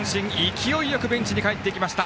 勢いよくベンチに帰ってきました。